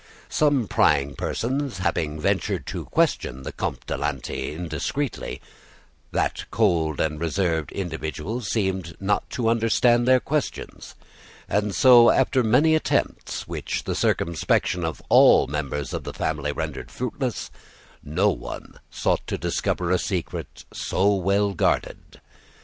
Some prying persons having ventured to question the Comte de Lanty indiscreetly, that cold and reserved individual seemed not to understand their questions. And so, after many attempts, which the circumspection of all the members of the family rendered fruitless, no one sought to discover a secret so well guarded.